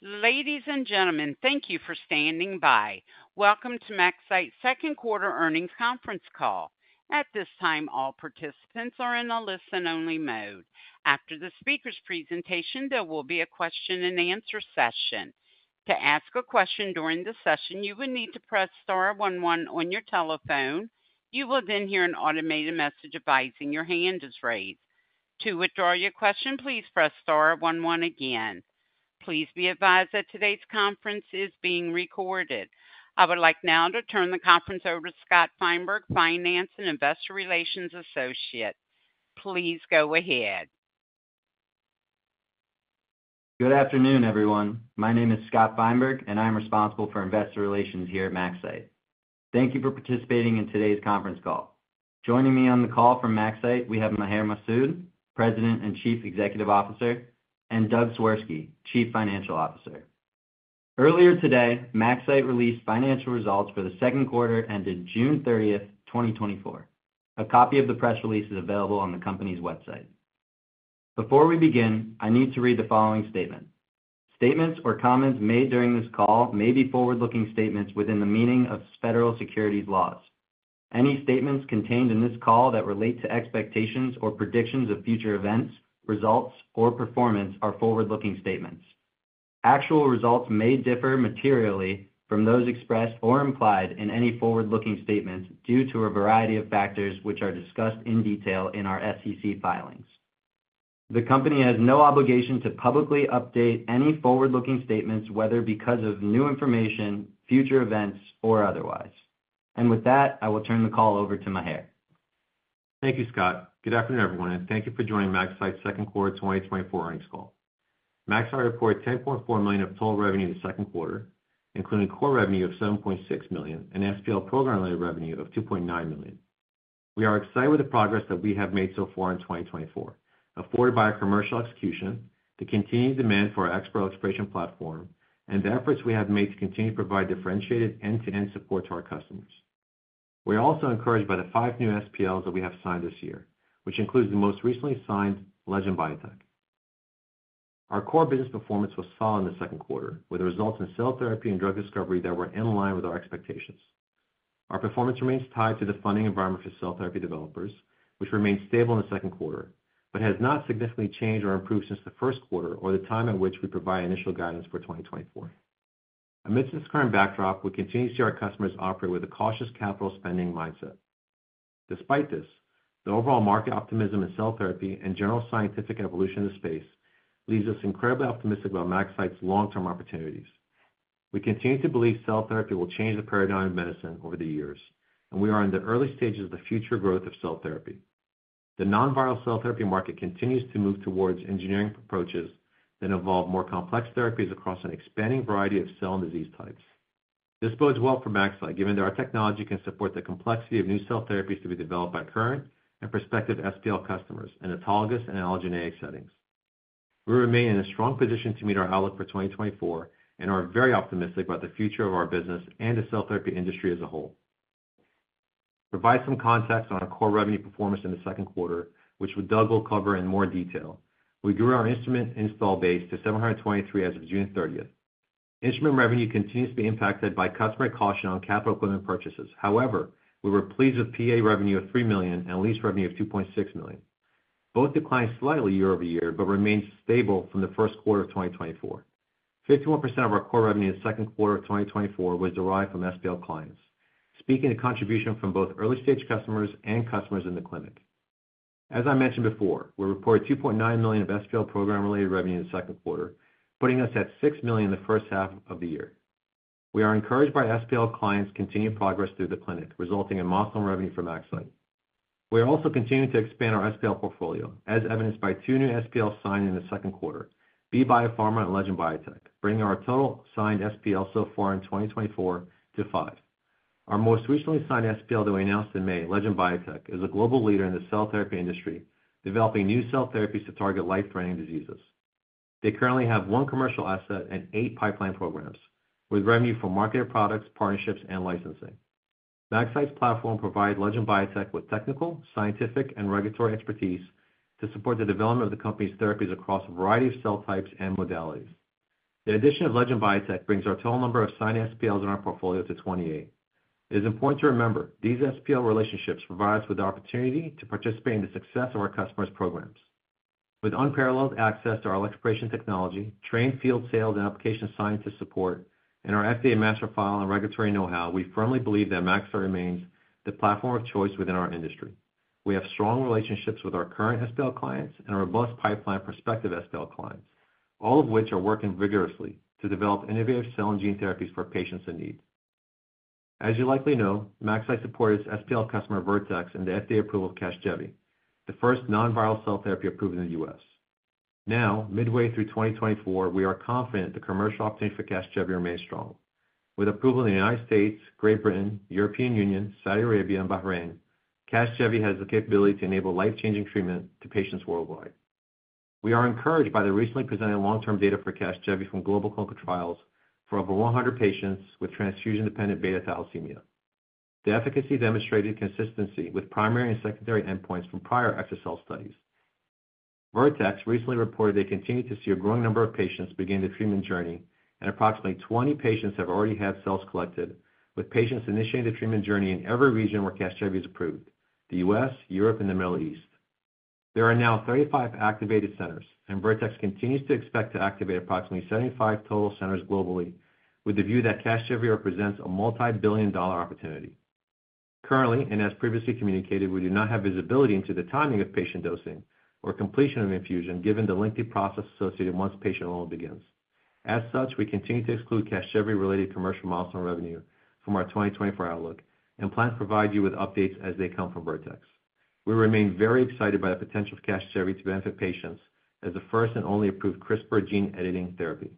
Ladies and gentlemen, thank you for standing by. Welcome to MaxCyte's second quarter earnings conference call. At this time, all participants are in a listen-only mode. After the speaker's presentation, there will be a question-and-answer session. To ask a question during the session, you will need to press star one one on your telephone. You will then hear an automated message advising your hand is raised. To withdraw your question, please press star one one again. Please be advised that today's conference is being recorded. I would like now to turn the conference over to Scott Feinberg, Finance and Investor Relations Associate. Please go ahead. Good afternoon, everyone. My name is Scott Feinberg, and I'm responsible for investor relations here at MaxCyte. Thank you for participating in today's conference call. Joining me on the call from MaxCyte, we have Maher Masoud, President and Chief Executive Officer, and Doug Swirsky, Chief Financial Officer. Earlier today, MaxCyte released financial results for the second quarter, ended June 30, 2024. A copy of the press release is available on the company's website. Before we begin, I need to read the following statement: Statements or comments made during this call may be forward-looking statements within the meaning of federal securities laws. Any statements contained in this call that relate to expectations or predictions of future events, results, or performance are forward-looking statements. Actual results may differ materially from those expressed or implied in any forward-looking statements due to a variety of factors, which are discussed in detail in our SEC filings. The Company has no obligation to publicly update any forward-looking statements, whether because of new information, future events, or otherwise. With that, I will turn the call over to Maher. Thank you, Scott. Good afternoon, everyone, and thank you for joining MaxCyte's second quarter 2024 earnings call. MaxCyte reported $10.4 million of total revenue in the second quarter, including core revenue of $7.6 million and SPL program-related revenue of $2.9 million. We are excited with the progress that we have made so far in 2024, afforded by our commercial execution, the continued demand for our ExPERT platform, and the efforts we have made to continue to provide differentiated end-to-end support to our customers. We are also encouraged by the five new SPLs that we have signed this year, which includes the most recently signed Legend Biotech. Our core business performance was solid in the second quarter, with the results in cell therapy and drug discovery that were in line with our expectations. Our performance remains tied to the funding environment for cell therapy developers, which remained stable in the second quarter, but has not significantly changed or improved since the first quarter or the time in which we provided initial guidance for 2024. Amidst this current backdrop, we continue to see our customers operate with a cautious capital spending mindset. Despite this, the overall market optimism in cell therapy and general scientific evolution in the space leaves us incredibly optimistic about MaxCyte's long-term opportunities. We continue to believe cell therapy will change the paradigm of medicine over the years, and we are in the early stages of the future growth of cell therapy. The non-viral cell therapy market continues to move towards engineering approaches that involve more complex therapies across an expanding variety of cell and disease types. This bodes well for MaxCyte, given that our technology can support the complexity of new cell therapies to be developed by current and prospective SPL customers in autologous and allogeneic settings. We remain in a strong position to meet our outlook for 2024 and are very optimistic about the future of our business and the cell therapy industry as a whole. Provide some context on our core revenue performance in the second quarter, which Doug will cover in more detail. We grew our instrument install base to 723 as of June 30. Instrument revenue continues to be impacted by customer caution on capital equipment purchases. However, we were pleased with PA revenue of $3 million and lease revenue of $2.6 million. Both declined slightly year-over-year but remained stable from the first quarter of 2024. 51% of our core revenue in the second quarter of 2024 was derived from SPL clients, speaking to contribution from both early-stage customers and customers in the clinic. As I mentioned before, we reported $2.9 million of SPL program-related revenue in the second quarter, putting us at $6 million in the first half of the year. We are encouraged by SPL clients' continued progress through the clinic, resulting in milestone revenue for MaxCyte. We are also continuing to expand our SPL portfolio, as evidenced by two new SPLs signed in the second quarter, Be Biopharma and Legend Biotech, bringing our total signed SPL so far in 2024 to five. Our most recently signed SPL that we announced in May, Legend Biotech, is a global leader in the cell therapy industry, developing new cell therapies to target life-threatening diseases. They currently have one commercial asset and eight pipeline programs, with revenue from marketed products, partnerships, and licensing. MaxCyte's platform provide Legend Biotech with technical, scientific, and regulatory expertise to support the development of the company's therapies across a variety of cell types and modalities. The addition of Legend Biotech brings our total number of signed SPLs in our portfolio to 28. It is important to remember, these SPL relationships provide us with the opportunity to participate in the success of our customers' programs. With unparalleled access to our expression technology, trained field sales and application scientists support, and our FDA Master File and regulatory know-how, we firmly believe that MaxCyte remains the platform of choice within our industry. We have strong relationships with our current SPL clients and a robust pipeline of prospective SPL clients, all of which are working vigorously to develop innovative cell and gene therapies for patients in need. As you likely know, MaxCyte supported its SPL customer, Vertex, in the FDA approval of Casgevy, the first non-viral cell therapy approved in the U.S. Now, midway through 2024, we are confident the commercial opportunity for Casgevy remains strong. With approval in the United States, Great Britain, European Union, Saudi Arabia, and Bahrain, Casgevy has the capability to enable life-changing treatment to patients worldwide. We are encouraged by the recently presented long-term data for Casgevy from global clinical trials for over 100 patients with transfusion-dependent beta thalassemia.... The efficacy demonstrated consistency with primary and secondary endpoints from prior exa-cel studies. Vertex recently reported they continue to see a growing number of patients begin the treatment journey, and approximately 20 patients have already had cells collected, with patients initiating the treatment journey in every region where Casgevy is approved, the U.S., Europe, and the Middle East. There are now 35 activated centers, and Vertex continues to expect to activate approximately 75 total centers globally, with the view that Casgevy represents a multibillion-dollar opportunity. Currently, and as previously communicated, we do not have visibility into the timing of patient dosing or completion of infusion, given the lengthy process associated once patient enrollment begins. As such, we continue to exclude Casgevy-related commercial milestone revenue from our 2024 outlook and plan to provide you with updates as they come from Vertex. We remain very excited by the potential of Casgevy to benefit patients as the first and only approved CRISPR gene-editing therapy.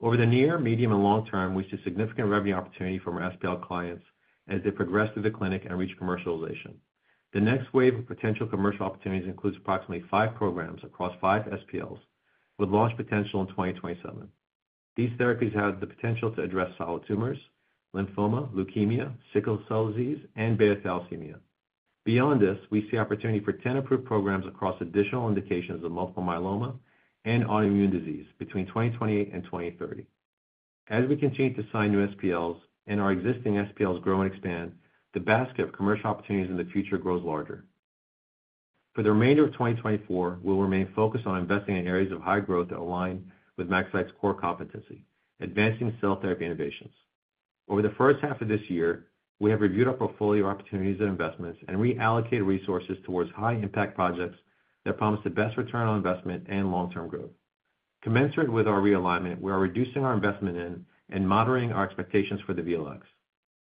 Over the near, medium, and long term, we see significant revenue opportunity from our SPL clients as they progress through the clinic and reach commercialization. The next wave of potential commercial opportunities includes approximately five programs across five SPLs, with launch potential in 2027. These therapies have the potential to address solid tumors, lymphoma, leukemia, sickle cell disease, and beta thalassemia. Beyond this, we see opportunity for 10 approved programs across additional indications of multiple myeloma and autoimmune disease between 2028 and 2030. As we continue to sign new SPLs and our existing SPLs grow and expand, the basket of commercial opportunities in the future grows larger. For the remainder of 2024, we'll remain focused on investing in areas of high growth that align with MaxCyte's core competency, advancing cell therapy innovations. Over the first half of this year, we have reviewed our portfolio of opportunities and investments and reallocated resources towards high-impact projects that promise the best return on investment and long-term growth. Commensurate with our realignment, we are reducing our investment in and moderating our expectations for the VLx.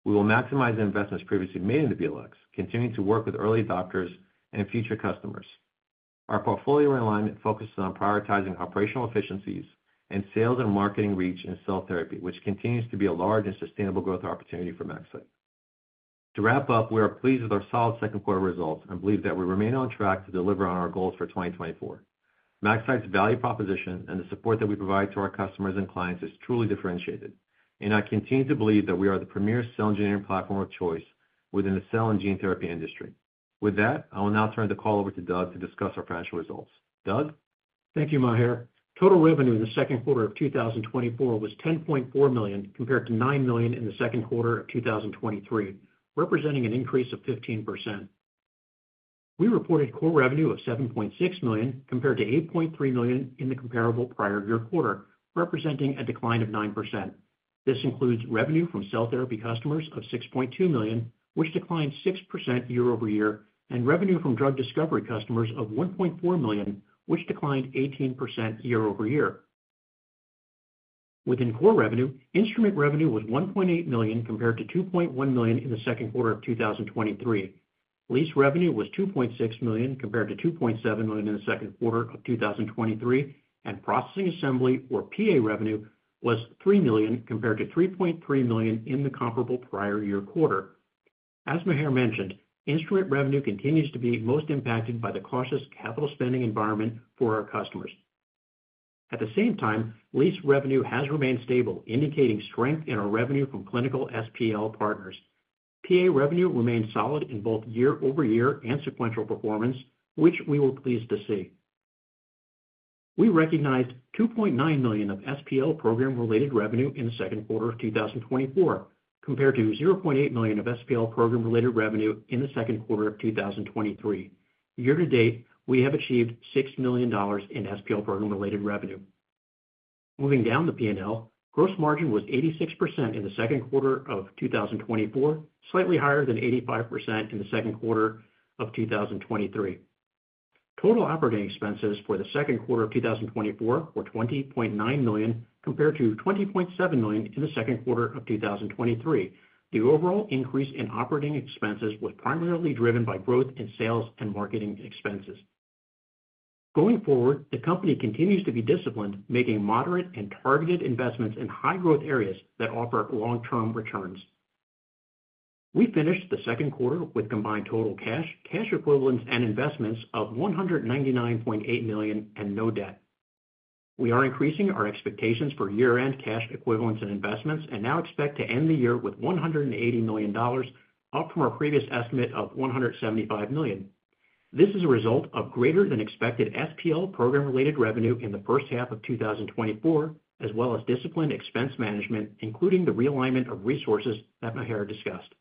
We will maximize the investments previously made in the VLx, continuing to work with early adopters and future customers. Our portfolio realignment focuses on prioritizing operational efficiencies and sales and marketing reach in cell therapy, which continues to be a large and sustainable growth opportunity for MaxCyte. To wrap up, we are pleased with our solid second quarter results and believe that we remain on track to deliver on our goals for 2024. MaxCyte's value proposition and the support that we provide to our customers and clients is truly differentiated, and I continue to believe that we are the premier cell engineering platform of choice within the cell and gene therapy industry. With that, I will now turn the call over to Doug to discuss our financial results. Doug? Thank you, Maher. Total revenue in the second quarter of 2024 was $10.4 million, compared to $9 million in the second quarter of 2023, representing an increase of 15%. We reported core revenue of $7.6 million, compared to $8.3 million in the comparable prior year quarter, representing a decline of 9%. This includes revenue from cell therapy customers of $6.2 million, which declined 6% year-over-year, and revenue from drug discovery customers of $1.4 million, which declined 18% year-over-year. Within core revenue, instrument revenue was $1.8 million, compared to $2.1 million in the second quarter of 2023. Lease revenue was $2.6 million, compared to $2.7 million in the second quarter of 2023, and processing assembly, or PA revenue, was $3 million, compared to $3.3 million in the comparable prior year quarter. As Maher mentioned, instrument revenue continues to be most impacted by the cautious capital spending environment for our customers. At the same time, lease revenue has remained stable, indicating strength in our revenue from clinical SPL partners. PA revenue remains solid in both year-over-year and sequential performance, which we were pleased to see. We recognized $2.9 million of SPL program-related revenue in the second quarter of 2024, compared to $0.8 million of SPL program-related revenue in the second quarter of 2023. Year to date, we have achieved $6 million in SPL program-related revenue. Moving down the P&L, gross margin was 86% in the second quarter of 2024, slightly higher than 85% in the second quarter of 2023. Total operating expenses for the second quarter of 2024 were $20.9 million, compared to $20.7 million in the second quarter of 2023. The overall increase in operating expenses was primarily driven by growth in sales and marketing expenses. Going forward, the company continues to be disciplined, making moderate and targeted investments in high-growth areas that offer long-term returns. We finished the second quarter with combined total cash, cash equivalents, and investments of $199.8 million and no debt. We are increasing our expectations for year-end cash equivalents and investments and now expect to end the year with $180 million, up from our previous estimate of $175 million. This is a result of greater-than-expected SPL program-related revenue in the first half of 2024, as well as disciplined expense management, including the realignment of resources that Maher discussed.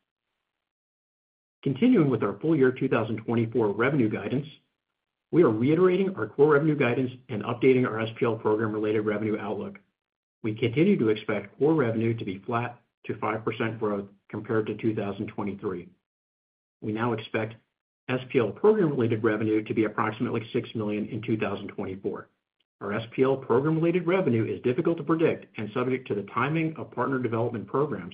Continuing with our full year 2024 revenue guidance, we are reiterating our core revenue guidance and updating our SPL program-related revenue outlook. We continue to expect core revenue to be flat to 5% growth compared to 2023. We now expect SPL program-related revenue to be approximately $6 million in 2024. Our SPL program-related revenue is difficult to predict and subject to the timing of partner development programs.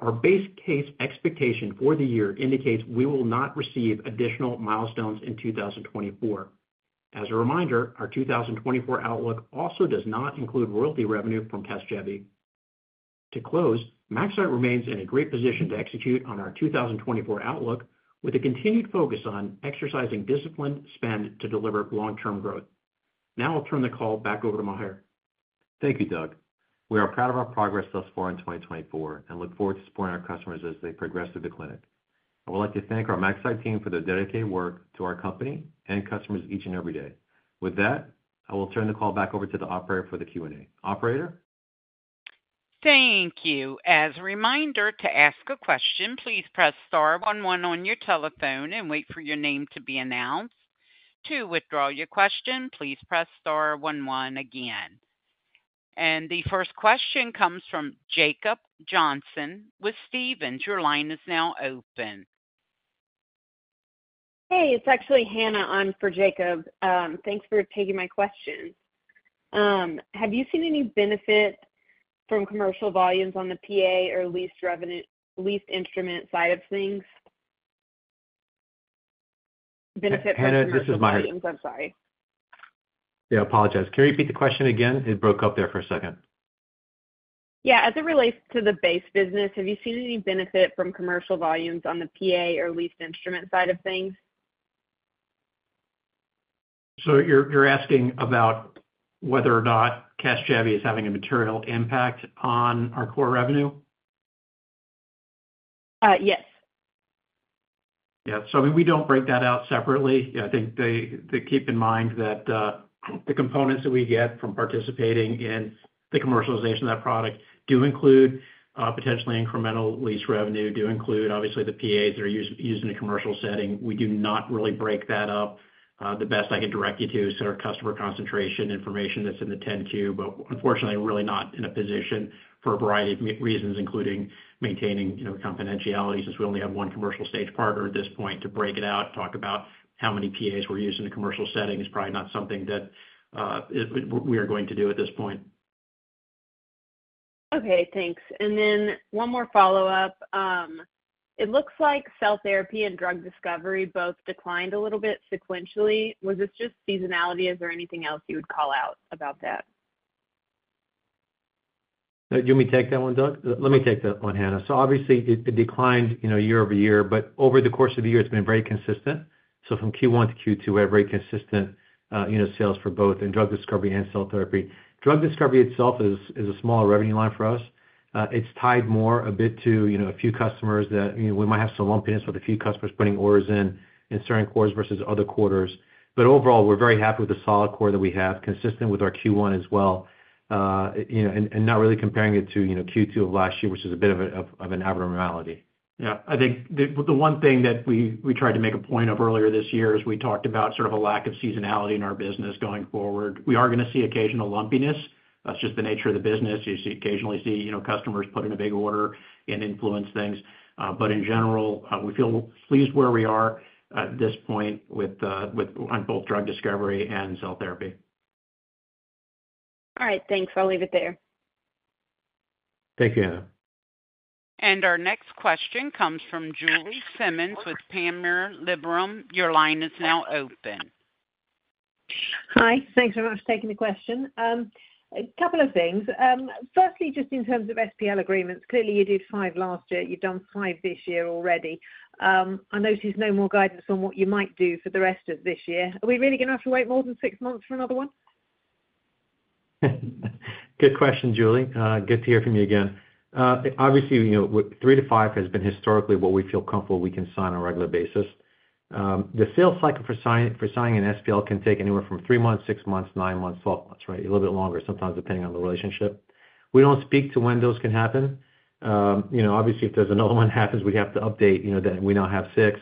Our base case expectation for the year indicates we will not receive additional milestones in 2024. As a reminder, our 2024 outlook also does not include royalty revenue from Casgevy. To close, MaxCyte remains in a great position to execute on our 2024 outlook, with a continued focus on exercising disciplined spend to deliver long-term growth.... Now I'll turn the call back over to Maher. Thank you, Doug. We are proud of our progress thus far in 2024 and look forward to supporting our customers as they progress through the clinic. I would like to thank our MaxCyte team for their dedicated work to our company and customers each and every day. With that, I will turn the call back over to the operator for the Q&A. Operator? Thank you. As a reminder, to ask a question, please press star one one on your telephone and wait for your name to be announced. To withdraw your question, please press star one one again. The first question comes from Jacob Johnson with Stephens. Your line is now open. Hey, it's actually Hannah on for Jacob. Thanks for taking my question. Have you seen any benefit from commercial volumes on the PA or lease revenue, lease instrument side of things? Hannah, this is Maher. I'm sorry. Yeah, I apologize. Can you repeat the question again? It broke up there for a second. Yeah. As it relates to the base business, have you seen any benefit from commercial volumes on the PA or leased instrument side of things? So you're asking about whether or not Casgevy is having a material impact on our core revenue? Uh, yes. Yeah. So, I mean, we don't break that out separately. I think they, they keep in mind that, the components that we get from participating in the commercialization of that product do include, potentially incremental lease revenue, do include, obviously, the PAs that are used, used in a commercial setting. We do not really break that up. The best I could direct you to is sort of customer concentration information that's in the 10-Q, but unfortunately, we're really not in a position for a variety of reasons, including maintaining, you know, confidentiality, since we only have one commercial stage partner at this point, to break it out. Talk about how many PAs we're using in a commercial setting is probably not something that, we are going to do at this point. Okay, thanks. And then one more follow-up. It looks like cell therapy and drug discovery both declined a little bit sequentially. Was this just seasonality? Is there anything else you would call out about that? Do you want me to take that one, Doug? Let me take that one, Hannah. So obviously, it declined, you know, year-over-year, but over the course of the year, it's been very consistent. So from Q1-Q2, we have very consistent, you know, sales for both in drug discovery and cell therapy. Drug discovery itself is a smaller revenue line for us. It's tied more a bit to, you know, a few customers that, you know, we might have some lumpiness with a few customers putting orders in in certain quarters versus other quarters. But overall, we're very happy with the solid core that we have, consistent with our Q1 as well, you know, and not really comparing it to, you know, Q2 of last year, which is a bit of an abnormality. Yeah. I think the one thing that we tried to make a point of earlier this year is we talked about sort of a lack of seasonality in our business going forward. We are gonna see occasional lumpiness. That's just the nature of the business. You occasionally see, you know, customers put in a big order and influence things. But in general, we feel pleased where we are at this point with, on both drug discovery and cell therapy. All right, thanks. I'll leave it there. Thank you, Hannah. Our next question comes from Julie Simmonds with Panmure Liberum. Your line is now open. Hi. Thanks so much for taking the question. A couple of things. Firstly, just in terms of SPL agreements, clearly you did 5 last year. You've done 5 this year already. I notice there's no more guidance on what you might do for the rest of this year. Are we really gonna have to wait more than 6 months for another one? Good question, Julie. Good to hear from you again. Obviously, you know, 3-5 has been historically what we feel comfortable we can sign on a regular basis. The sales cycle for signing an SPL can take anywhere from 3 months, 6 months, 9 months, 12 months, right? A little bit longer, sometimes, depending on the relationship. We don't speak to when those can happen. You know, obviously, if there's another one happens, we'd have to update, you know, that we now have 6.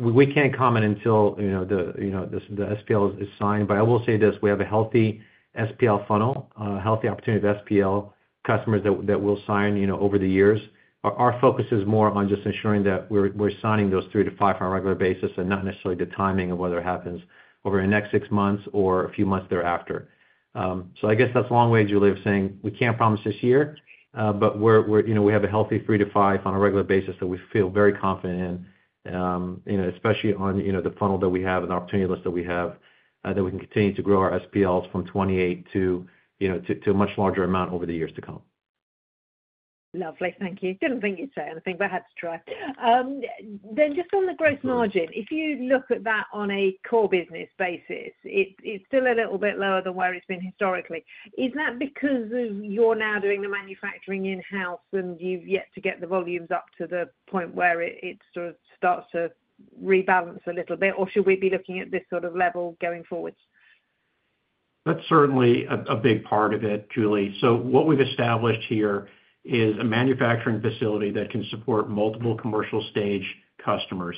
We can't comment until, you know, the, you know, the, the SPL is signed. But I will say this, we have a healthy SPL funnel, a healthy opportunity with SPL customers that, that will sign, you know, over the years. Our focus is more on just ensuring that we're signing those 3-5 on a regular basis and not necessarily the timing of whether it happens over the next six months or a few months thereafter. So I guess that's a long way, Julie, of saying we can't promise this year, but we're, you know, we have a healthy 3-5 on a regular basis that we feel very confident in, you know, especially on the funnel that we have and opportunity list that we have, that we can continue to grow our SPLs from 28 to, you know, to a much larger amount over the years to come. Lovely. Thank you. Didn't think you'd say anything, but I had to try. Then just on the growth margin, if you look at that on a core business basis, it's still a little bit lower than where it's been historically. Is that because of you're now doing the manufacturing in-house, and you've yet to get the volumes up to the point where it sort of starts to rebalance a little bit, or should we be looking at this sort of level going forward? That's certainly a big part of it, Julie. So what we've established here is a manufacturing facility that can support multiple commercial stage customers.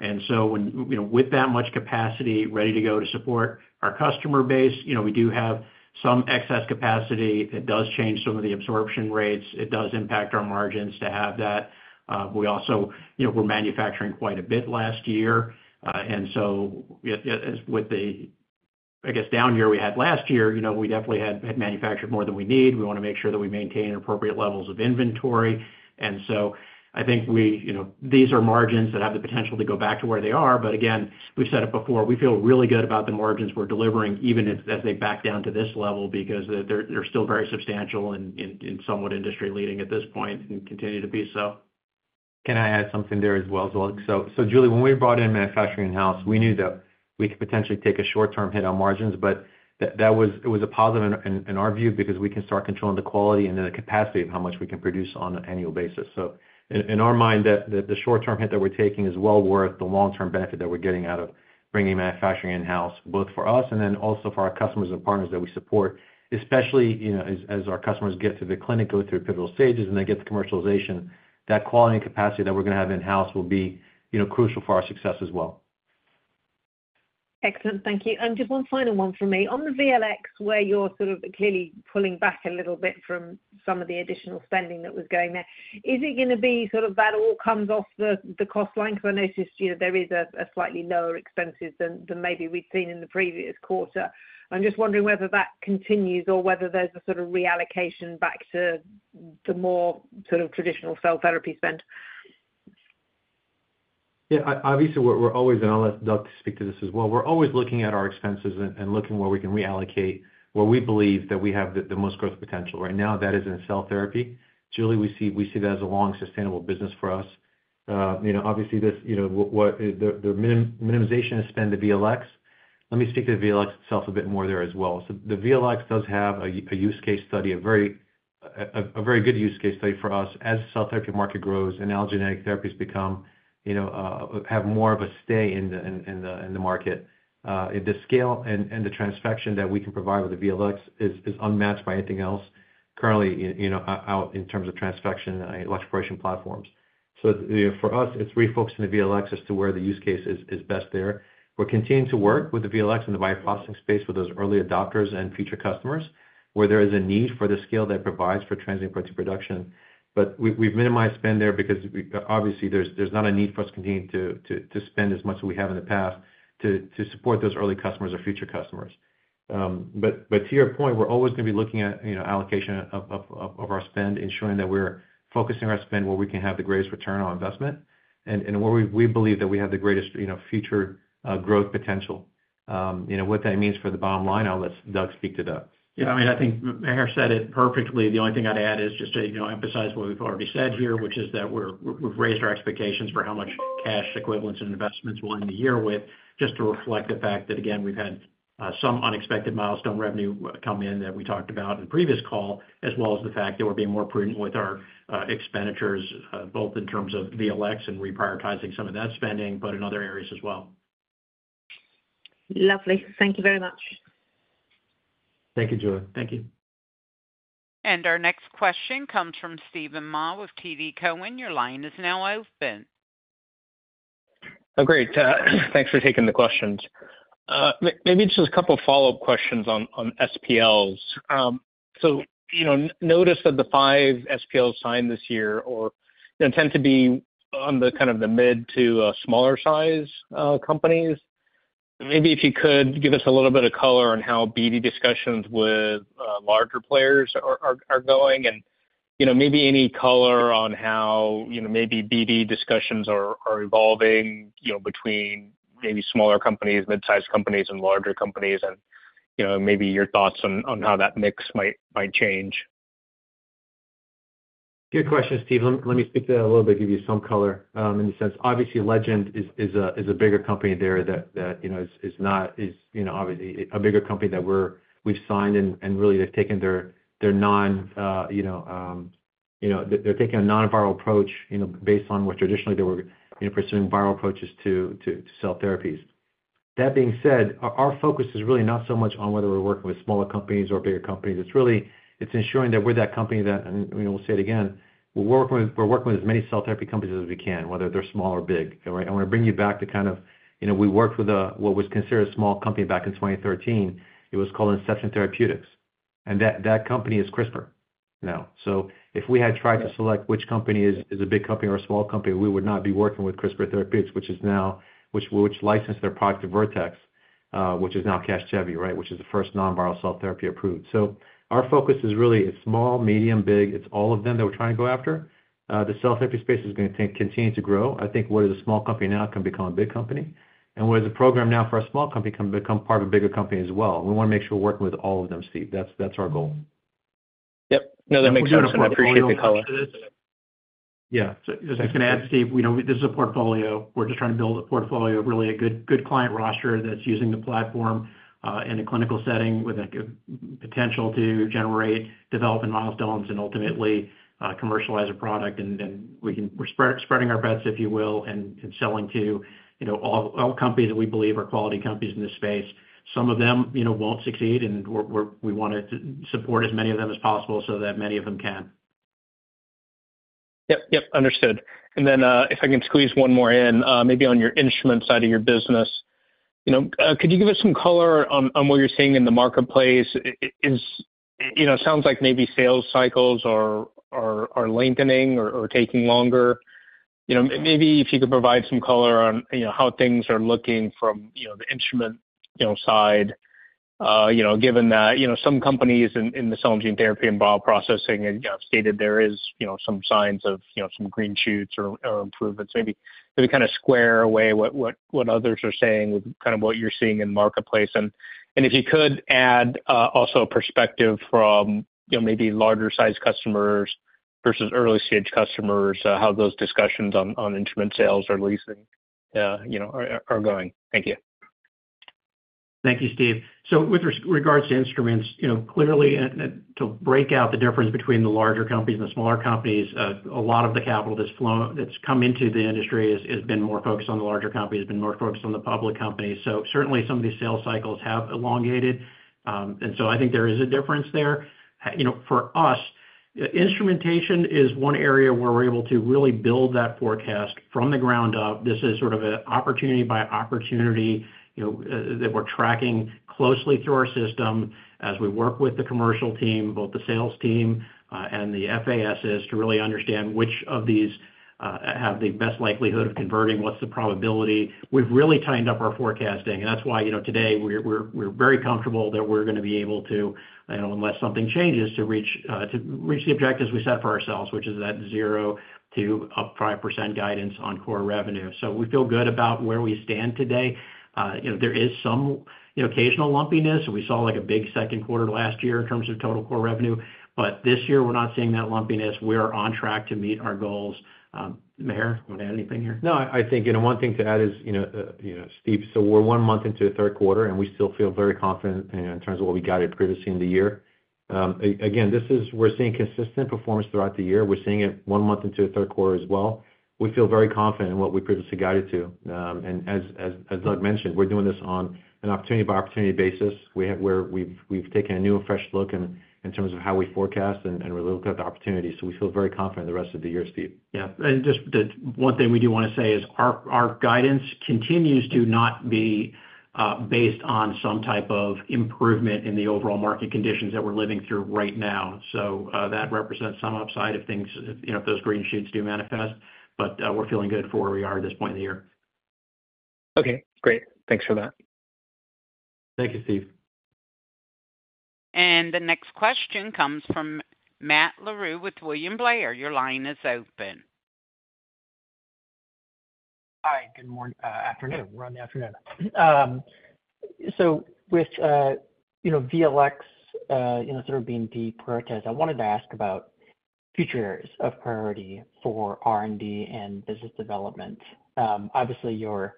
And so when, you know, with that much capacity ready to go to support our customer base, you know, we do have some excess capacity. It does change some of the absorption rates. It does impact our margins to have that. We also, you know, we're manufacturing quite a bit last year, and so as with the, I guess, down year we had last year, you know, we definitely had manufactured more than we need. We wanna make sure that we maintain appropriate levels of inventory. And so I think we, you know, these are margins that have the potential to go back to where they are. But again, we've said it before, we feel really good about the margins we're delivering, even if as they back down to this level, because they're still very substantial and somewhat industry-leading at this point and continue to be so.... Can I add something there as well? So, Julie, when we brought in manufacturing in-house, we knew that we could potentially take a short-term hit on margins, but that was it was a positive in our view, because we can start controlling the quality and then the capacity of how much we can produce on an annual basis. So in our mind, that the short-term hit that we're taking is well worth the long-term benefit that we're getting out of bringing manufacturing in-house, both for us and then also for our customers and partners that we support. Especially, you know, as our customers get to the clinic, go through pivotal stages, and they get to commercialization, that quality and capacity that we're going to have in-house will be, you know, crucial for our success as well. Excellent. Thank you. And just one final one from me. On the VLx, where you're sort of clearly pulling back a little bit from some of the additional spending that was going there, is it going to be sort of that all comes off the cost line? Because I noticed, you know, there is a slightly lower expenses than maybe we've seen in the previous quarter. I'm just wondering whether that continues or whether there's a sort of reallocation back to the more sort of traditional cell therapy spend. Yeah, obviously, we're always, and I'll let Doug speak to this as well. We're always looking at our expenses and looking where we can reallocate, where we believe that we have the most growth potential. Right now, that is in cell therapy. Julie, we see that as a long sustainable business for us. You know, the minimization of spend to VLx. Let me speak to the VLx itself a bit more there as well. So the VLx does have a use case study, a very good use case study for us as the cell therapy market grows and allogeneic therapies become, you know, have more of a stay in the market. The scale and the transfection that we can provide with the VLx is unmatched by anything else currently, you know, out in terms of transfection and electroporation platforms. So for us, it's refocusing the VLx as to where the use case is best there. We're continuing to work with the VLx in the bioprocessing space with those early adopters and future customers, where there is a need for the scale that provides for transient parts of production. But we've minimized spend there because obviously, there's not a need for us continuing to spend as much as we have in the past to support those early customers or future customers. But to your point, we're always going to be looking at, you know, allocation of our spend, ensuring that we're focusing our spend where we can have the greatest return on investment, and where we believe that we have the greatest, you know, future growth potential. You know, what that means for the bottom line, I'll let Doug speak to that. Yeah, I mean, I think Maher said it perfectly. The only thing I'd add is just to, you know, emphasize what we've already said here, which is that we've raised our expectations for how much cash equivalents and investments we'll end the year with, just to reflect the fact that, again, we've had some unexpected milestone revenue come in that we talked about in the previous call, as well as the fact that we're being more prudent with our expenditures, both in terms of VLx and reprioritizing some of that spending, but in other areas as well. Lovely. Thank you very much. Thank you, Julie. Thank you. Our next question comes from Steven Mah with TD Cowen. Your line is now open. Oh, great. Thanks for taking the questions. Maybe just a couple of follow-up questions on SPLs. So, you know, notice that the five SPLs signed this year or they tend to be on the kind of the mid- to smaller size companies. Maybe if you could give us a little bit of color on how BD discussions with larger players are going, and, you know, maybe any color on how, you know, maybe BD discussions are evolving, you know, between maybe smaller companies, mid-sized companies, and larger companies, and, you know, maybe your thoughts on how that mix might change. Good question, Steve. Let me speak to that a little bit, give you some color. In the sense, obviously, Legend is a bigger company there that you know is obviously a bigger company that we've signed and really they've taken their non-viral approach you know based on what traditionally they were pursuing viral approaches to cell therapies. That being said, our focus is really not so much on whether we're working with smaller companies or bigger companies. It's really ensuring that we're that company that and you know we'll say it again, we're working with as many cell therapy companies as we can, whether they're small or big. All right, I want to bring you back to kind of, you know, we worked with a, what was considered a small company back in 2013. It was called Inception Therapeutics, and that company is CRISPR now. So if we had tried to select which company is a big company or a small company, we would not be working with CRISPR Therapeutics, which licensed their product to Vertex, which is now Casgevy, right? Which is the first non-viral cell therapy approved. So our focus is really it's small, medium, big, it's all of them that we're trying to go after. The cell therapy space is gonna continue to grow. I think what is a small company now can become a big company, and what is a program now for a small company can become part of a bigger company as well. We want to make sure we're working with all of them, Steve. That's, that's our goal. Yep. No, that makes sense, and I appreciate the color. Yeah. So I just going to add, Steve, we know this is a portfolio. We're just trying to build a portfolio, really a good, good client roster that's using the platform in a clinical setting with a good potential to generate, develop, and milestones and ultimately commercialize a product. And then, we can... We're spreading our bets, if you will, and selling to, you know, all companies that we believe are quality companies in this space. Some of them, you know, won't succeed, and we wanted to support as many of them as possible so that many of them can. Yep, yep, understood. And then, if I can squeeze one more in, maybe on your instrument side of your business. You know, could you give us some color on what you're seeing in the marketplace? It is, you know, sounds like maybe sales cycles are lengthening or taking longer. You know, maybe if you could provide some color on how things are looking from the instrument side. You know, given that some companies in the cell and gene therapy and bioprocessing have stated there is some signs of some green shoots or improvements. Maybe kind of square away what others are saying with what you're seeing in the marketplace. If you could add also a perspective from, you know, maybe larger-sized customers versus early-stage customers, how those discussions on instrument sales or leasing, you know, are going? Thank you. ... Thank you, Steve. So with regards to instruments, you know, clearly, and to break out the difference between the larger companies and the smaller companies, a lot of the capital that's come into the industry has been more focused on the larger companies, has been more focused on the public companies. So certainly, some of these sales cycles have elongated. And so I think there is a difference there. You know, for us, instrumentation is one area where we're able to really build that forecast from the ground up. This is sort of a opportunity by opportunity, you know, that we're tracking closely through our system as we work with the commercial team, both the sales team, and the FASs, to really understand which of these have the best likelihood of converting, what's the probability? We've really tightened up our forecasting, and that's why, you know, today we're very comfortable that we're going to be able to, you know, unless something changes, to reach the objectives we set for ourselves, which is that 0%-5% guidance on core revenue. So we feel good about where we stand today. You know, there is some occasional lumpiness, and we saw, like, a big second quarter last year in terms of total core revenue, but this year we're not seeing that lumpiness. We are on track to meet our goals. Maher, want to add anything here? No, I think, you know, one thing to add is, you know, you know, Steve, so we're one month into the third quarter, and we still feel very confident in terms of what we guided previously in the year. Again, we're seeing consistent performance throughout the year. We're seeing it one month into the third quarter as well. We feel very confident in what we previously guided to. And as Doug mentioned, we're doing this on an opportunity-by-opportunity basis, we have where we've taken a new and fresh look in terms of how we forecast and we look at the opportunity. So we feel very confident in the rest of the year, Steve. Yeah, and just the one thing we do want to say is our guidance continues to not be based on some type of improvement in the overall market conditions that we're living through right now. So, that represents some upside if things, you know, if those green shoots do manifest, but we're feeling good for where we are at this point in the year. Okay, great. Thanks for that. Thank you, Steve. The next question comes from Matt Larew with William Blair. Your line is open. Hi, good morning, afternoon. We're in the afternoon. So with, you know, VLx, You know, sort of being deprioritized, I wanted to ask about future areas of priority for R&D and business development. Obviously, your,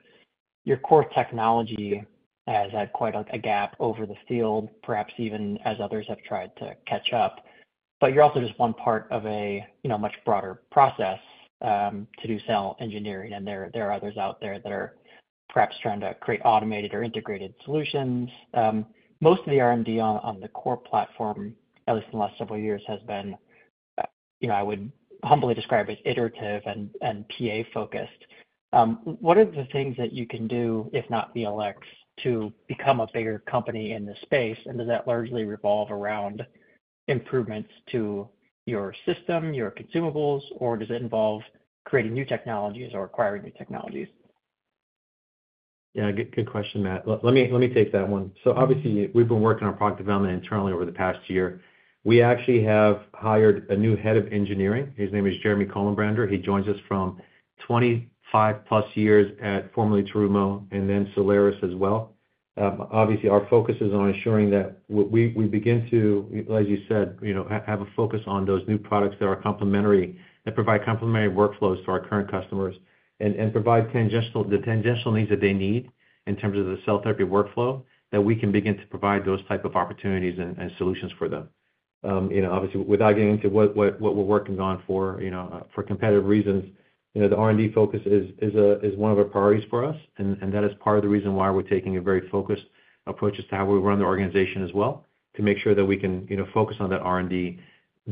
your core technology has had quite a, a gap over the field, perhaps even as others have tried to catch up, but you're also just one part of a, you know, much broader process, to do cell engineering, and there, there are others out there that are perhaps trying to create automated or integrated solutions. Most of the R&D on, on the core platform, at least in the last several years, has been, you know, I would humbly describe as iterative and, and PA-focused. What are the things that you can do, if not VLx, to become a bigger company in this space? Does that largely revolve around improvements to your system, your consumables, or does it involve creating new technologies or acquiring new technologies? Yeah, good, good question, Matt. Let me, let me take that one. So obviously, we've been working on product development internally over the past year. We actually have hired a new head of engineering. His name is Jeremy Jeremy Kollenbrander. He joins us from 25+ years at, formerly Terumo and then Sartorius as well. Obviously, our focus is on ensuring that we, we, we begin to, as you said, you know, have, have a focus on those new products that are complementary, that provide complementary workflows to our current customers, and, and provide tangential, the tangential needs that they need in terms of the cell therapy workflow, that we can begin to provide those type of opportunities and, and solutions for them. You know, obviously, without getting into what we're working on for, you know, for competitive reasons, you know, the R&D focus is one of the priorities for us, and that is part of the reason why we're taking a very focused approach as to how we run the organization as well, to make sure that we can, you know, focus on that R&D,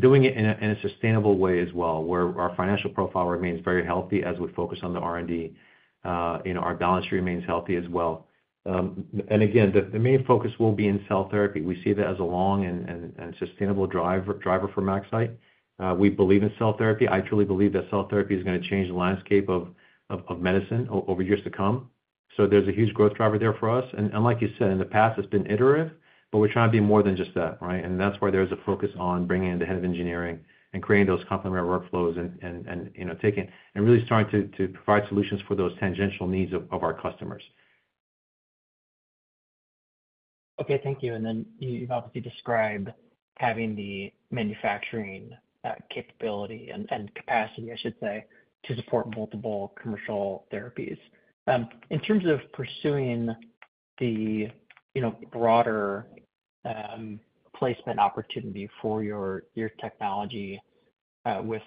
doing it in a sustainable way as well, where our financial profile remains very healthy as we focus on the R&D. You know, our balance sheet remains healthy as well. And again, the main focus will be in cell therapy. We see that as a long and sustainable driver for MaxCyte. We believe in cell therapy. I truly believe that cell therapy is going to change the landscape of medicine over years to come. So there's a huge growth driver there for us. And like you said, in the past, it's been iterative, but we're trying to be more than just that, right? And that's why there is a focus on bringing in the head of engineering and creating those complementary workflows and, you know, taking and really starting to provide solutions for those tangential needs of our customers. Okay, thank you. And then you've obviously described having the manufacturing capability and capacity, I should say, to support multiple commercial therapies. In terms of pursuing the, you know, broader placement opportunity for your technology with,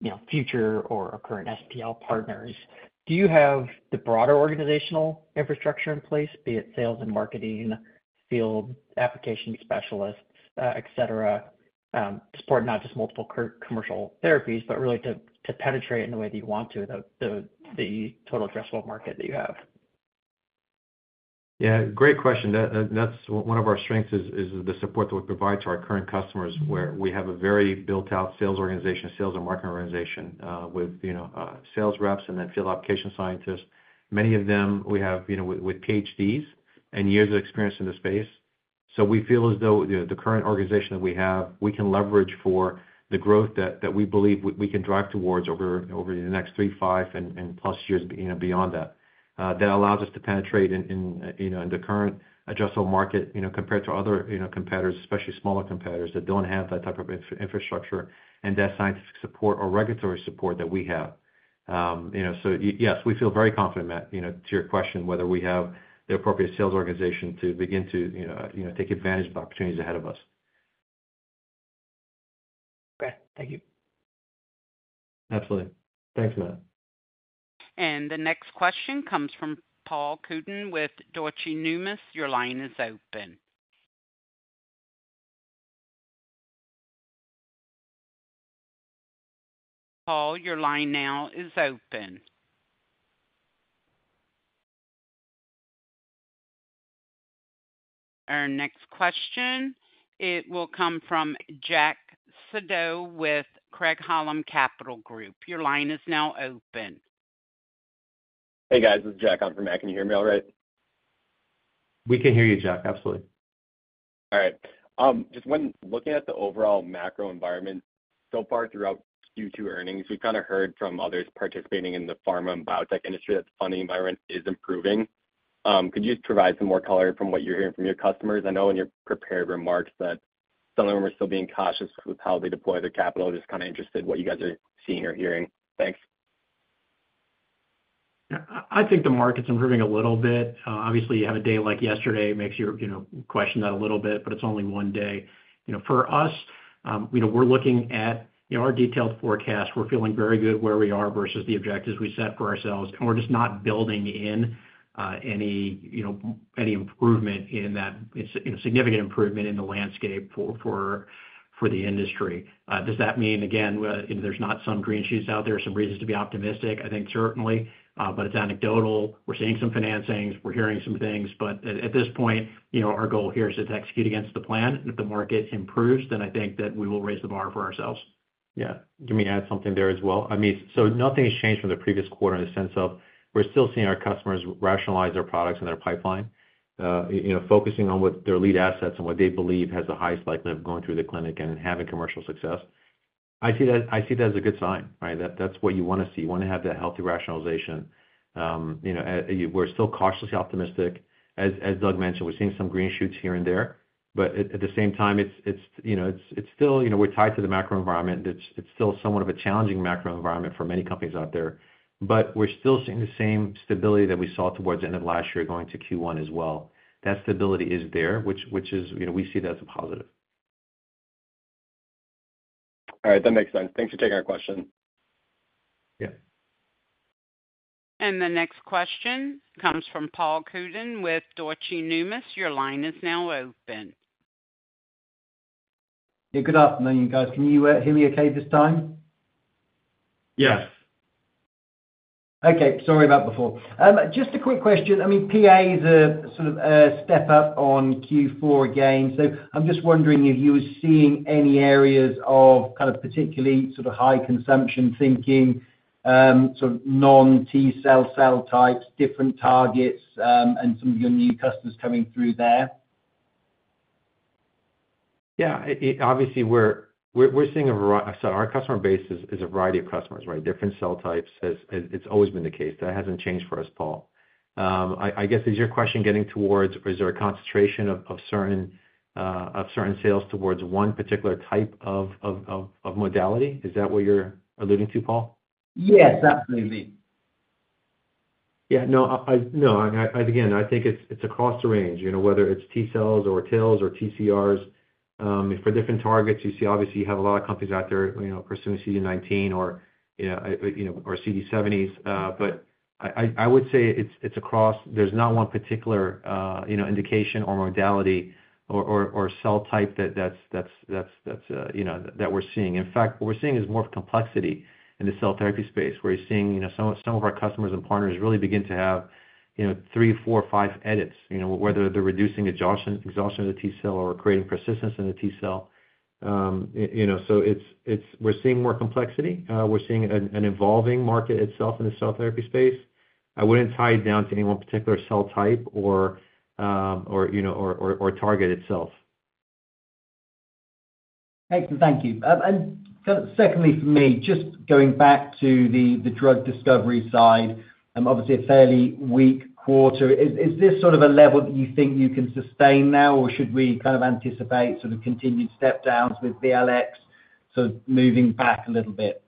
you know, future or current SPL partners, do you have the broader organizational infrastructure in place, be it sales and marketing, field application specialists, et cetera, to support not just multiple commercial therapies, but really to penetrate in the way that you want to the total addressable market that you have? Yeah, great question. That, that's one of our strengths is the support that we provide to our current customers, where we have a very built-out sales organization, sales and marketing organization, with, you know, sales reps and then field application scientists. Many of them we have, you know, with PhDs and years of experience in this space. So we feel as though, you know, the current organization that we have, we can leverage for the growth that we believe we can drive towards over the next 3, 5, and plus years, you know, beyond that. That allows us to penetrate in the current addressable market, you know, compared to other competitors, especially smaller competitors, that don't have that type of infrastructure and that scientific support or regulatory support that we have. You know, so, yes, we feel very confident, Matt, you know, to your question, whether we have the appropriate sales organization to begin to, you know, take advantage of the opportunities ahead of us. Great. Thank you. Absolutely. Thanks, Matt. The next question comes from Paul Cuddon with Deutsche Numis. Your line is open. Paul, your line now is open. Our next question, it will come from Jack Sebrow with Craig-Hallum Capital Group. Your line is now open. Hey, guys, this is Jack. I'm from MaxCyte. Can you hear me all right? We can hear you, Jack. Absolutely. All right. Just when looking at the overall macro environment, so far throughout Q2 earnings, we've kinda heard from others participating in the pharma and biotech industry that the funding environment is improving. Could you just provide some more color from what you're hearing from your customers? I know in your prepared remarks that some of them are still being cautious with how they deploy their capital. Just kinda interested what you guys are seeing or hearing. Thanks. Yeah, I think the market's improving a little bit. Obviously, you have a day like yesterday, makes you, you know, question that a little bit, but it's only one day. You know, for us, you know, we're looking at, you know, our detailed forecast. We're feeling very good where we are versus the objectives we set for ourselves, and we're just not building in any, you know, any improvement in that, a significant improvement in the landscape for the industry. Does that mean, again, you know, there's not some green shoots out there, some reasons to be optimistic? I think certainly, but it's anecdotal. We're seeing some financings, we're hearing some things, but at this point, you know, our goal here is to execute against the plan, and if the market improves, then I think that we will raise the bar for ourselves. Yeah, let me add something there as well. I mean, so nothing has changed from the previous quarter in the sense of, we're still seeing our customers rationalize their products and their pipeline, you know, focusing on what their lead assets and what they believe has the highest likelihood of going through the clinic and having commercial success. I see that as a good sign, right? That's what you wanna see. You wanna have that healthy rationalization. You know, we're still cautiously optimistic. As Doug mentioned, we're seeing some green shoots here and there, but at the same time, it's still, you know, we're tied to the macro environment. It's still somewhat of a challenging macro environment for many companies out there. But we're still seeing the same stability that we saw towards the end of last year going to Q1 as well. That stability is there, which is, you know, we see that as a positive. All right, that makes sense. Thanks for taking our question. Yeah. The next question comes from Paul Cuddon with Deutsche Numis. Your line is now open. Yeah, good afternoon, you guys. Can you hear me okay this time? Yes. Okay, sorry about before. Just a quick question. I mean, PA is a sort of a step up on Q4 again. So I'm just wondering if you were seeing any areas of kind of particularly sort of high consumption thinking, sort of non-T cell, cell types, different targets, and some of your new customers coming through there? Yeah, obviously, we're seeing a variety. So our customer base is a variety of customers, right? Different cell types, it's always been the case. That hasn't changed for us, Paul. I guess, is your question getting towards, is there a concentration of certain sales towards one particular type of modality? Is that what you're alluding to, Paul? Yes, absolutely. Yeah, no, again, I think it's across the range, you know, whether it's T-cells or TILs or TCRs for different targets. You see, obviously, you have a lot of companies out there, you know, pursuing CD19 or, you know, or CD70s. But I would say it's across. There's not one particular, you know, indication or modality or cell type that we're seeing. In fact, what we're seeing is more complexity in the cell therapy space, where you're seeing, you know, some of our customers and partners really begin to have, you know, 3, 4, 5 edits, you know, whether they're reducing exhaustion of the T-cell or creating persistence in the T-cell. You know, so it's. We're seeing more complexity. We're seeing an evolving market itself in the cell therapy space. I wouldn't tie it down to any one particular cell type or, you know, target itself. Excellent. Thank you. And secondly, for me, just going back to the drug discovery side, obviously a fairly weak quarter. Is this sort of a level that you think you can sustain now, or should we kind of anticipate sort of continued step downs with VLx, so moving back a little bit?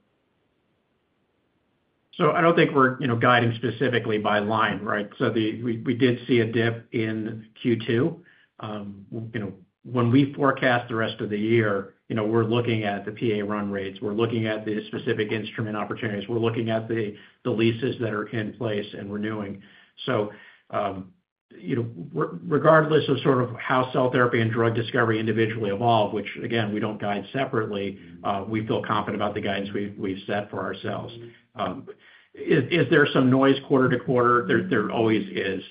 So I don't think we're, you know, guiding specifically by line, right? So we did see a dip in Q2. You know, when we forecast the rest of the year, you know, we're looking at the PA run rates. We're looking at the specific instrument opportunities. We're looking at the leases that are in place and renewing. So, you know, regardless of sort of how cell therapy and drug discovery individually evolve, which again, we don't guide separately, we feel confident about the guidance we've set for ourselves. Is there some noise quarter to quarter? There always is.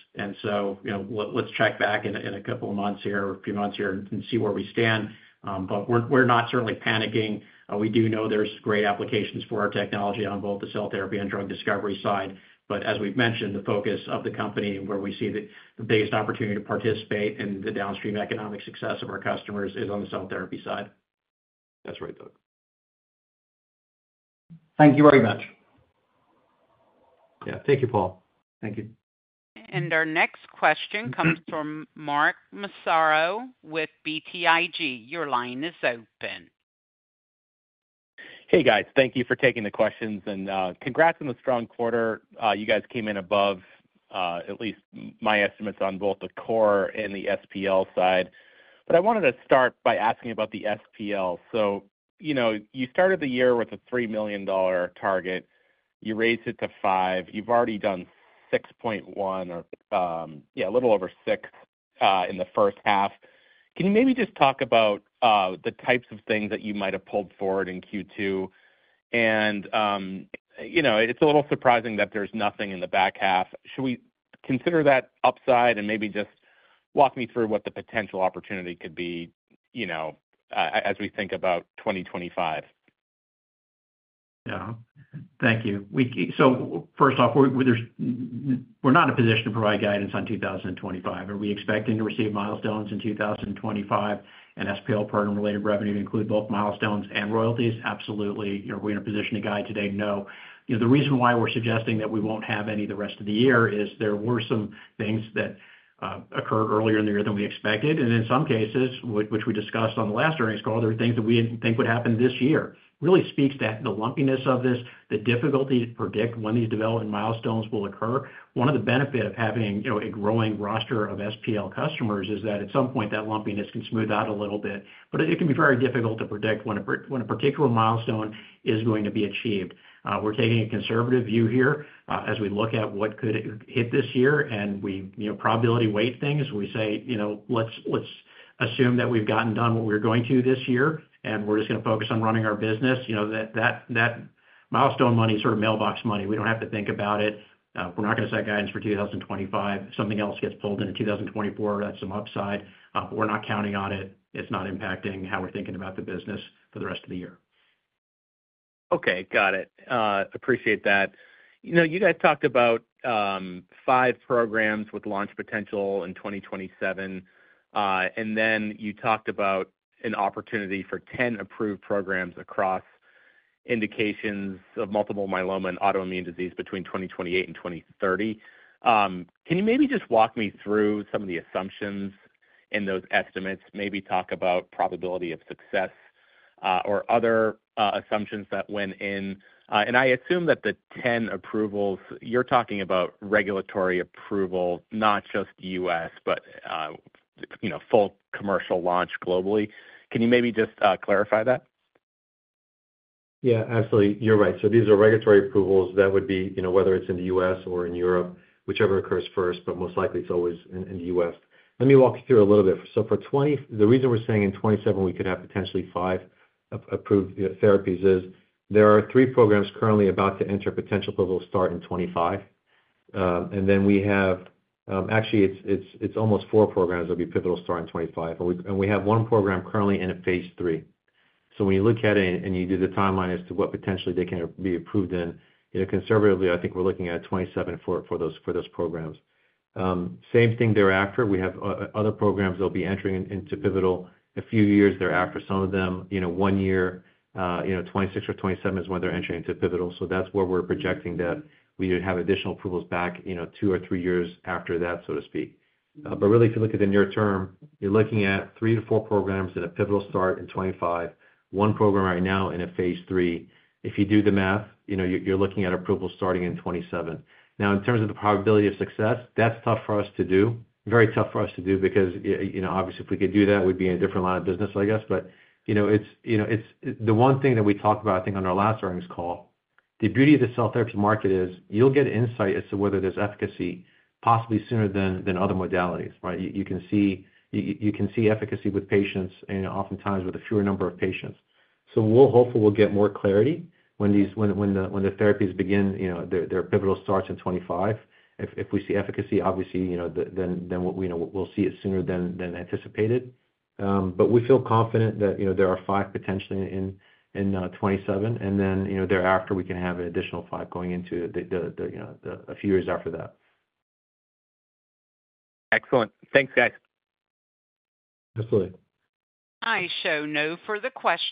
So, you know, let's check back in a couple of months here, or a few months here and see where we stand. But we're certainly not panicking. We do know there's great applications for our technology on both the cell therapy and drug discovery side. But as we've mentioned, the focus of the company where we see the biggest opportunity to participate in the downstream economic success of our customers is on the cell therapy side. That's right, Doug. Thank you very much.... Yeah. Thank you, Paul. Thank you. Our next question comes from Mark Massaro with BTIG. Your line is open. Hey, guys. Thank you for taking the questions, and, congrats on the strong quarter. You guys came in above, at least my estimates on both the core and the SPL side. But I wanted to start by asking about the SPL. So, you know, you started the year with a $3 million target, you raised it to $5 million. You've already done $6.1 million or, yeah, a little over $6 million, in the first half. Can you maybe just talk about the types of things that you might have pulled forward in Q2? And, you know, it's a little surprising that there's nothing in the back half. Should we consider that upside? And maybe just walk me through what the potential opportunity could be, you know, as we think about 2025. Yeah. Thank you. So first off, we're not in a position to provide guidance on 2025. Are we expecting to receive milestones in 2025 and SPL program-related revenue to include both milestones and royalties? Absolutely. Are we in a position to guide today? No. You know, the reason why we're suggesting that we won't have any the rest of the year is there were some things that occurred earlier in the year than we expected, and in some cases, which we discussed on the last earnings call, there were things that we didn't think would happen this year. Really speaks to the lumpiness of this, the difficulty to predict when these development milestones will occur. One of the benefits of having, you know, a growing roster of SPL customers is that at some point, that lumpiness can smooth out a little bit. But it can be very difficult to predict when a particular milestone is going to be achieved. We're taking a conservative view here as we look at what could hit this year, and we, you know, probability weight things. We say, you know, let's assume that we've gotten done what we're going to this year, and we're just gonna focus on running our business. You know, that, that, that milestone money is sort of mailbox money. We don't have to think about it. We're not gonna set guidance for 2025. Something else gets pulled into 2024, that's some upside. But we're not counting on it. It's not impacting how we're thinking about the business for the rest of the year. Okay, got it. Appreciate that. You know, you guys talked about five programs with launch potential in 2027, and then you talked about an opportunity for 10 approved programs across indications of Multiple Myeloma and autoimmune disease between 2028 and 2030. Can you maybe just walk me through some of the assumptions in those estimates? Maybe talk about probability of success, or other assumptions that went in. And I assume that the 10 approvals, you're talking about regulatory approval, not just U.S., but, you know, full commercial launch globally. Can you maybe just clarify that? Yeah, absolutely. You're right. So these are regulatory approvals that would be, you know, whether it's in the U.S. or in Europe, whichever occurs first, but most likely it's always in the U.S. Let me walk you through a little bit. So for 2027, the reason we're saying in 2027 we could have potentially five approved therapies is there are three programs currently about to enter potential pivotal start in 2025. And then we have, actually, it's almost four programs that'll be pivotal start in 2025, and we have one program currently in a phase III. So when you look at it and you do the timeline as to what potentially they can be approved in, you know, conservatively, I think we're looking at 2027 for those programs. Same thing thereafter. We have other programs that'll be entering into pivotal a few years thereafter. Some of them, you know, one year, you know, 2026 or 2027 is when they're entering into pivotal. So that's where we're projecting that we would have additional approvals back, you know, two or three years after that, so to speak. But really, if you look at the near term, you're looking at 3-4 programs in a pivotal start in 2025, 1 program right now in a phase IIone. If you do the math, you know, you're looking at approval starting in 2027. Now, in terms of the probability of success, that's tough for us to do. Very tough for us to do because, you know, obviously, if we could do that, we'd be in a different line of business, I guess. But, you know, it's, you know, it's... The one thing that we talked about, I think, on our last earnings call, the beauty of the cell therapy market is you'll get insight as to whether there's efficacy, possibly sooner than other modalities, right? You can see efficacy with patients and oftentimes with a fewer number of patients. So we'll hopefully get more clarity when these therapies begin, you know, their pivotal starts in 2025. If we see efficacy, obviously, you know, then we'll see it sooner than anticipated. But we feel confident that, you know, there are five potentially in 2027, and then, you know, thereafter, we can have an additional five going into the, the, the, you know, the, a few years after that. Excellent. Thanks, guys. Absolutely. I show no further questions.